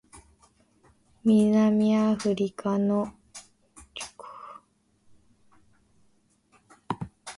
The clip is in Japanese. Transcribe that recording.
南アフリカの行政首都はプレトリアである